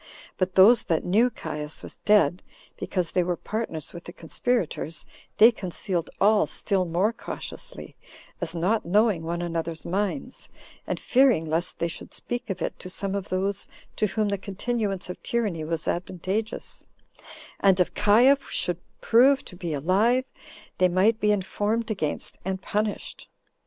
But those that knew Caius was dead, because they were partners with the conspirators, they concealed all still more cautiously, as not knowing one another's minds; and fearing lest they should speak of it to some of those to whom the continuance of tyranny was advantageous; and if Caius should prove to be alive, they might be informed against, and punished.